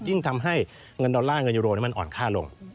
ยิ่งทำให้เงินดอลลาร์เงินยูโรมันอ่อนค่าลง